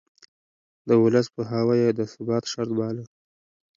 د ولس پوهاوی يې د ثبات شرط باله.